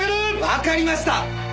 わかりました！